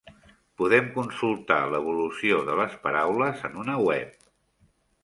Podem consultar l'evolució de les paraules en una web